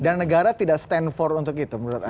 dan negara tidak stand for untuk itu menurut anda